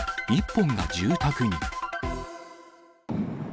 １本が住宅に。